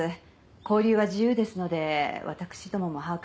交流は自由ですので私どもも把握しかねます。